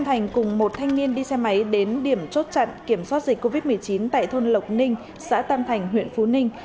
trong khi kiểm soát dịch covid một mươi chín tại thôn lộc ninh xã tam thành huyện phú ninh